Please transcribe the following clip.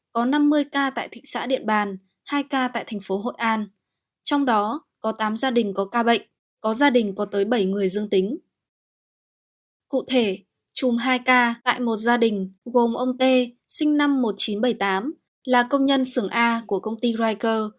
cụ thể chùm hai ca tại một gia đình gồm ông t sinh năm một nghìn chín trăm bảy mươi tám là công nhân xưởng a của công ty riker